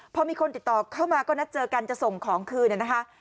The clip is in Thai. พอมีคนติดต่อเข้ามาก็นัดเจอกันจะส่งของคืนนะคะ